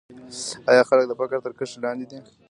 آیا خلک د فقر تر کرښې لاندې دي؟